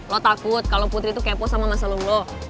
lo takut kalo putri tuh kepo sama masa lalu lo